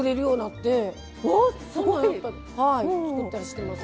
はい作ったりしてますね。